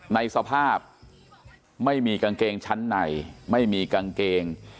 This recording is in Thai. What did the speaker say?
ในสภาพไม่มีกางเกงชั้นในไม่มีกางเกง